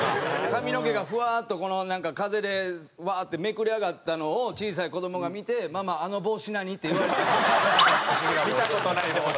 髪の毛がフワーっと風でワーッてめくれ上がったのを小さい子どもが見て「ママあの帽子何？」って言われたりとか。